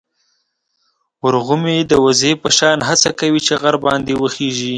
ورغومي د وزې په شان هڅه کوله چې غر باندې وخېژي.